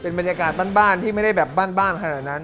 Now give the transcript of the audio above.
บรรยากาศบ้านที่ไม่ได้แบบบ้านขนาดนั้น